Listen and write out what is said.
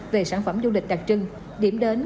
về sản phẩm du lịch đặc trưng điểm đến